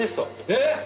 えっ！？